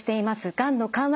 がんの緩和